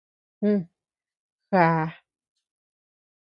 Jú, já.